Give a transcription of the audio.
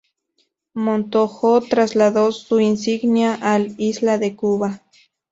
Montojo trasladó su insignia al "Isla de Cuba".